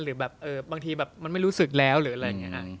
หรือแบบบางทีแบบมันไม่รู้สึกแล้วหรืออะไรอย่างนี้